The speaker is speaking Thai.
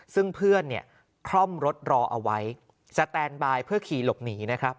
ซึ่งเพื่อนเนี่ยคล่อมรถรอเอาไว้สแตนบายเพื่อขี่หลบหนีนะครับ